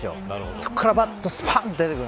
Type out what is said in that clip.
そこからバットがすぱん、と出てくる。